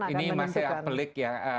ini masih pelik ya